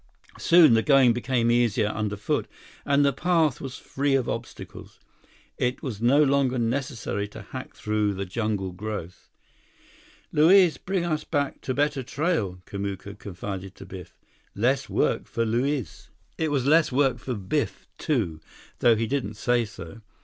Soon, the going became easier underfoot, and the path was free of obstacles. It was no longer necessary to hack through the jungle growth. "Luiz bring us back to better trail," Kamuka confided to Biff. "Less work for Luiz." It was less work for Biff, too, though he didn't say so.